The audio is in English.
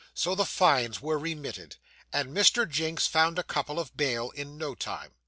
So the fines were remitted, and Mr. Jinks found a couple of bail in no time.